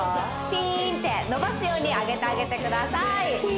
ピーンって伸ばすように上げてあげてください